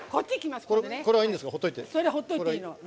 それは放っておいていいの。